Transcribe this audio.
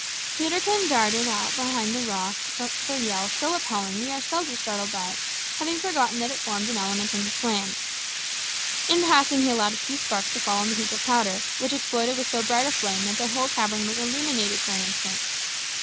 Peterkin darted out from behind the rock with a yell so appalling that we ourselves were startled by it, having forgotten that it formed an element in his plan. In passing he allowed a few sparks to fall on the heap of powder, which exploded with so bright a flame that the whole cavern was illuminated for an instant.